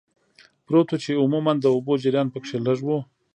پروت و، چې عموماً د اوبو جریان پکې لږ و.